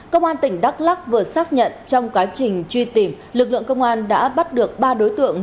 công an tỉnh đắk lắc vừa xác nhận trong quá trình truy tìm lực lượng công an đã bắt được ba đối tượng